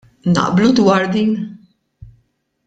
Naqblu dwar din?